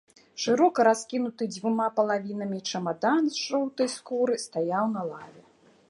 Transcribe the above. Шырока раскінуты дзвюма палавінамі чамадан з жоўтай скуры стаяў на лаве.